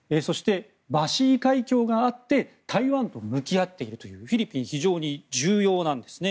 バシー海峡があって台湾と向き合っているというフィリピンは非常に重要なんですね。